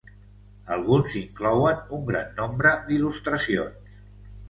Alguns inclouen un gran nombre d'il·lustracions.